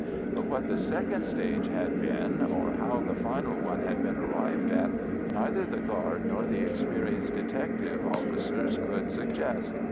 But what the second stage had been, or how the final one had been arrived at, neither the guard nor the experienced detective officers could suggest.